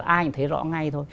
ai thấy rõ ngay thôi